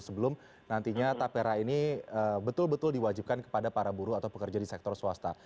sebelum nantinya tapera ini betul betul diwajibkan kepada para buruh atau pekerja di sektor swasta